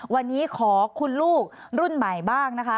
วันนี้ขอคุณลูกรุ่นใหม่บ้างนะคะ